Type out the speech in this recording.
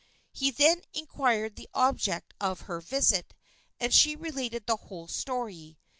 He then inquired the object of her visit, and she related the whole story.